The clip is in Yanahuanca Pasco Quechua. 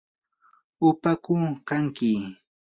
¿upaku kanki?